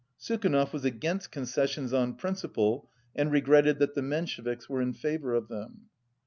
Sukhanov was against conces 204 sions on principle, and regretted that the Menshe viks were in favour of them.